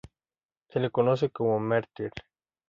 Se le conoce como "Merthyr".